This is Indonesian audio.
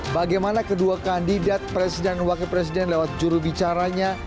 bagaimana kedua kandidat presiden dan wakil presiden lewat jurubicaranya